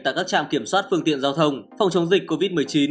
tại các trạm kiểm soát phương tiện giao thông phòng chống dịch covid một mươi chín